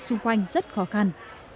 xung quanh rất khó khăn